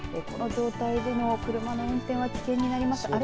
この状態での車の運転は危険になります。